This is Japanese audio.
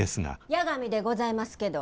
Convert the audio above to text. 八神でございますけど。